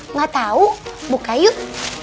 nggak tau buka yuk